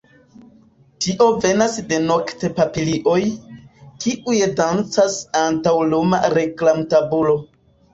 Tio venas de noktpapilioj, kiuj dancas antaŭ luma reklamtabulo.